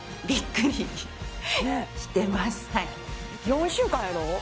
４週間やろ？